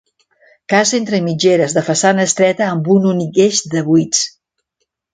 Casa entre mitgeres, de façana estreta amb un únic eix de buits.